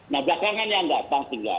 nah belakangan yang datang tinggal